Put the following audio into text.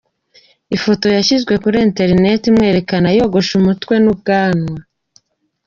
Ifoto yashyizwe kuri internet imwerekana yogoshe umutwe n’ubwanwa.